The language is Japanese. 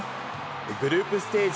グループステージ